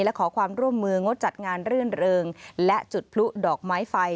และขอความร่วมมืองดจัดงานรื่นเริงและจุดพลุดอกไม้ไฟ